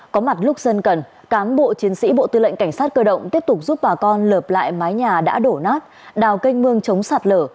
có mặt lúc dân cần cán bộ chiến sĩ bộ tư lệnh cảnh sát cơ động tiếp tục giúp bà con lợp lại mái nhà đã đổ nát đào kênh mương chống sạt lở